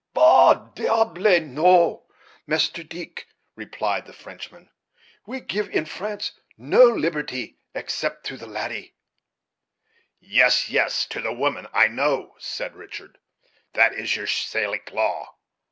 "Bah! diable, no, Meester Deeck," replied the Frenchman; "we give, in France, no liberty except to the ladi." "Yes, yes, to the women, I know," said Richard, "that is your Salic law.